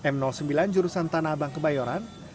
m sembilan jurusan tanah abang kebayoran